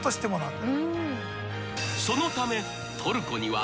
［そのため］